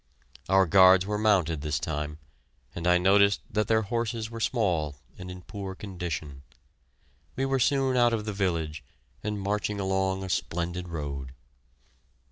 Our guards were mounted this time, and I noticed that their horses were small and in poor condition. We were soon out of the village and marching along a splendid road.